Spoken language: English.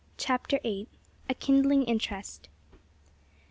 CHAPTER VIII. A KINDLING INTEREST.